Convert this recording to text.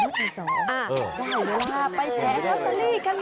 ได้เลยว่าไปแกะสวัสดีกันแล้ว